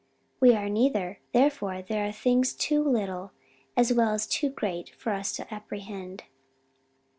We are neither, therefore there are things too little as well as too great for us to apprehend.